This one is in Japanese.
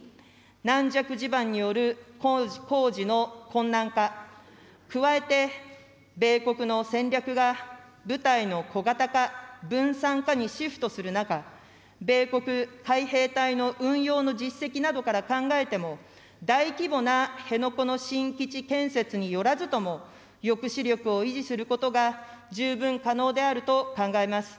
軟弱地盤による工事の困難化、加えて、米国の戦略が部隊の小型化、分散化にシフトする中、米国海兵隊の運用の実績などから考えても、大規模な辺野古の新基地建設によらずとも、抑止力を維持することが十分可能であると考えます。